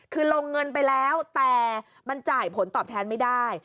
คือลงเงินไปแล้วแต่มันจ่ายผลตอบแทนไม่ได้